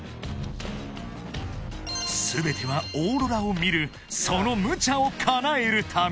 ［全てはオーロラを見るそのムチャをかなえるため］